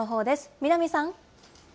南さん。